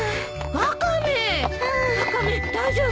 ワカメ大丈夫？